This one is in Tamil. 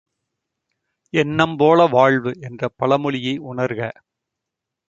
எண்ணம் போல வாழ்வு என்ற பழமொழியை உணர்க!